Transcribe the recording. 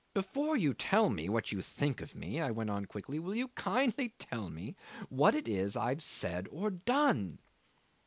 "Before you tell me what you think of me," I went on quickly, "will you kindly tell me what it is I've said or done?"